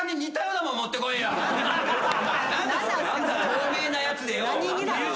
透明なやつでよ。